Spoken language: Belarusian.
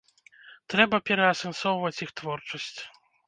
Трэба пераасэнсоўваць іх творчасць.